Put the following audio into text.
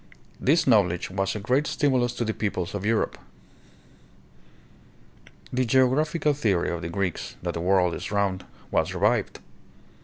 This knowl edge was a great stimulus to the peoples of Europe. The geographical theory of the Greeks, that the world is round, was revived.